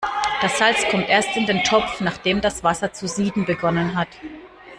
Das Salz kommt erst in den Topf, nachdem das Wasser zu sieden begonnen hat.